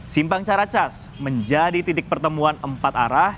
simpang caracas menjadi titik pertemuan empat arah